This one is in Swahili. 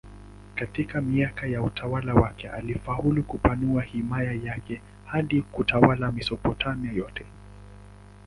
Katika miaka ya utawala wake alifaulu kupanua himaya yake hadi kutawala Mesopotamia yote.